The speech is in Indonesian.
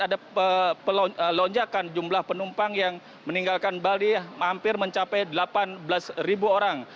ada lonjakan jumlah penumpang yang meninggalkan bali hampir mencapai delapan belas ribu orang